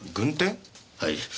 はい。